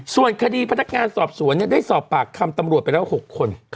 ส่วนคดีพนักงานสอบสวนได้สอบปากคำตำรวจไปแล้ว๖คน